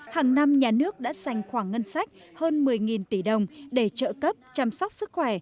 hàng năm nhà nước đã sành khoảng ngân sách hơn một mươi tỷ đồng để trợ cấp chăm sóc sức khỏe